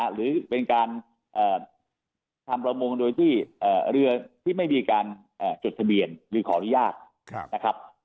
หรือเป็นการทำประมงโดยที่เรือที่ไม่มีการจดทะเบียนหรือขออนุญาตนะครับ